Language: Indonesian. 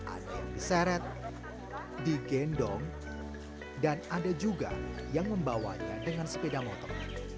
ada yang diseret digendong dan ada juga yang membawanya dengan sepeda motor